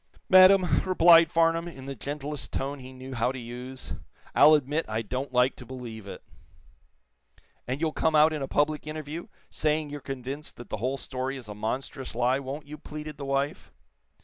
"Madame," replied Farnum, in the gentlest tone he knew how to use, "I'll admit I don't like to believe it." "And you'll come out in a public interview, saying you're convinced that the whole story is a monstrous lie, won't you?" pleaded the wife.